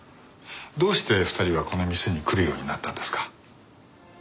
どうして２人はこの店に来るようになったんですか？